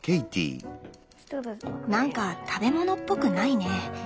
何か食べ物っぽくないね。